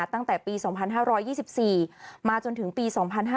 ตั้งแต่ปี๒๕๒๔มาจนถึงปี๒๕๕๙